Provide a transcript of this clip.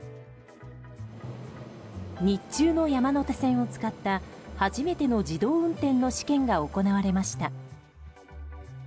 日中の山手線を使った初めての自動運転の試験が行われました。